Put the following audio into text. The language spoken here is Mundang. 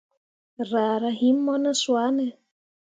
Raa rah him mo ne swane ?